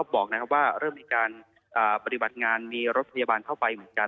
บอกว่าเริ่มมีการปฏิบัติงานมีรถพยาบาลเข้าไปเหมือนกัน